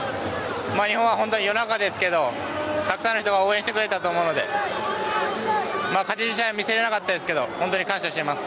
日本は本当に夜中ですがたくさんの人が応援してくれたと思うので勝ち試合は見せれなかったですが本当に感謝しています。